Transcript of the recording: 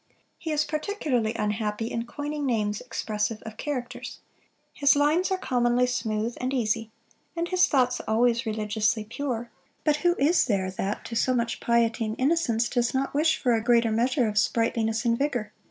He is particularly unhappy in coining names expressive of characters. His lines are commonly smooth and easy, and his thoughts always religiously pure; but who is there that, to so much piety and innocence, does not wish for a greater measure of sprightliness and vigour?